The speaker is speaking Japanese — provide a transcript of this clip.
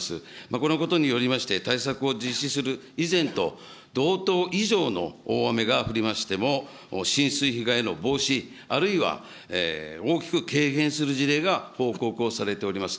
このことによりまして、対策を実施する以前と同等以上の大雨が降りましても、浸水被害の防止、あるいは大きく軽減する事例が報告をされております。